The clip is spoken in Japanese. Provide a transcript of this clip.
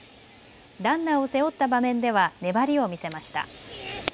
ランナーを背負った場面では粘りを見せました。